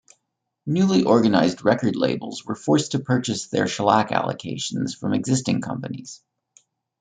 Newly organized record labels were forced to purchase their shellac allocations from existing companies.